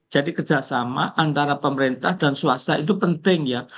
jadi kerjasama antara pemerintah dan swasta itu penting ya